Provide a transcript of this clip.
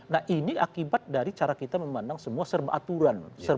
nah ini akibat dari cara kita memandang semua serba aturan